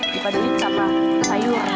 buka dulu capa sayur